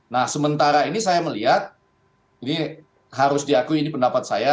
nah sementara ini saya melihat ini harus diakui ini pendapat saya